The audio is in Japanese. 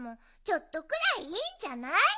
ちょっとくらいいいんじゃない？